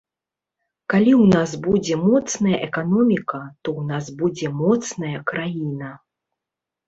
Калі ў нас будзе моцная эканоміка, то ў нас будзе моцная краіна.